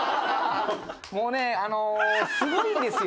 もうねあのすごいんですよ。